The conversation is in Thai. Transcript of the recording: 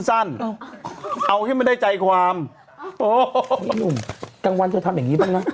เอาเอาให้มันได้ใจความโอ้โฮนุ่มกลางวันจะทำอย่างงี้บ้างนะ